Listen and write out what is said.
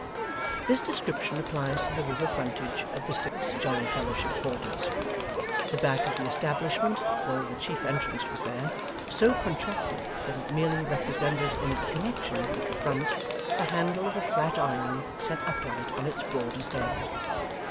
This description applies to the river frontage of the Six Jolly Fellowship Porters. The back of the establishment, though the chief entrance was there, so contracted that it merely represented in its connexion with the front, the handle of a flat iron set upright on its broadest end.